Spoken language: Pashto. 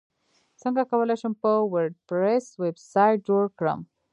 څنګه کولی شم په وردپریس ویبسایټ جوړ کړم